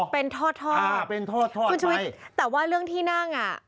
เป็นทอดทอดอ่าเป็นทอดทอดคุณชุวิตแต่ว่าเรื่องที่นั่งอ่ะ